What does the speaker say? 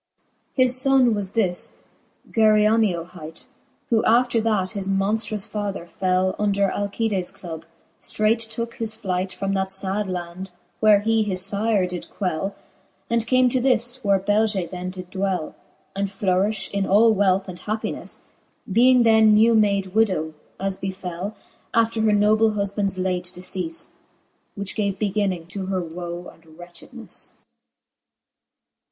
XI. His fbnne was this, Geryoneo hight, Who after that his monftrous father fell Under Alctdes club, ftreight tooke his flight From that fad land, where he his fyre did quell, And came to this, where Beige then did dwell, And flourifli in all wealth and happinelTe, Being then new made widow, as befell, After her noble huflDands late decefle ; Which gave beginning to her woe and wretchedneflie.